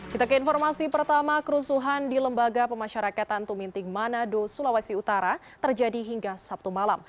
kita ke informasi pertama kerusuhan di lembaga pemasyarakatan tuminting manado sulawesi utara terjadi hingga sabtu malam